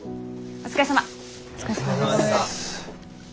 お疲れさまです。